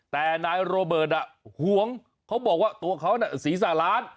แต่นายโรเบิร์ตห่วงเขาบอกว่าตัวเขสีสาร้าน